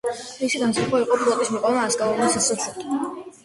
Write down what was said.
მისი განზრახვა იყო ფლოტის მიყვანა ასკალონის დასასრულთან.